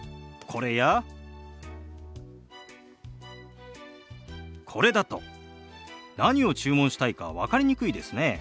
これだと何を注文したいか分かりにくいですね。